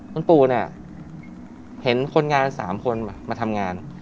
คุณปูเห็นคนงานสามคนมาทำงาน